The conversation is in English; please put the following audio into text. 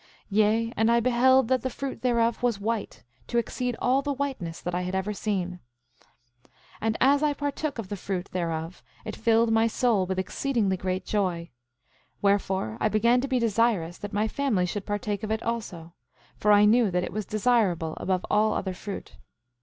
Yea, and I beheld that the fruit thereof was white, to exceed all the whiteness that I had ever seen. 8:12 And as I partook of the fruit thereof it filled my soul with exceedingly great joy; wherefore, I began to be desirous that my family should partake of it also; for I knew that it was desirable above all other fruit.